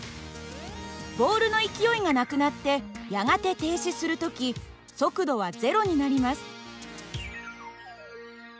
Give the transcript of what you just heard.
ボールの勢いがなくなってやがて停止する時速度は０になります。